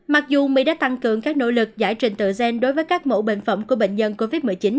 mặc dù mỹ đã tăng cường các nỗ lực giải trình tự gen đối với các mẫu bệnh phẩm của bệnh nhân covid một mươi chín